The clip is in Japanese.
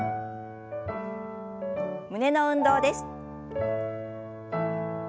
胸の運動です。